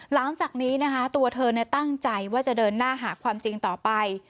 หลังจากนี้นะคะตัวเธอตั้งใจว่าจะเดินหน้าหาความจริงต่อไป